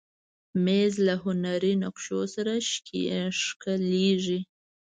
مېز له هنري نقشو سره ښکليږي.